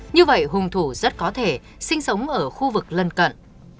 như vậy hung thủ rất có thể sinh sống ở khu vực lân cận